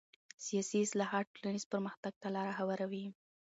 سیاسي اصلاحات ټولنیز پرمختګ ته لاره هواروي